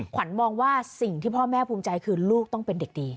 ขวัญมองว่าสิ่งที่พ่อแม่ภูมิใจคือลูกต้องเป็นเด็กดี